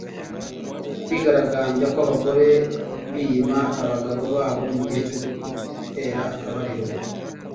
Kwigaragambya kw’abagore biyima abagabo babo mu gihe cyo gutera akabariro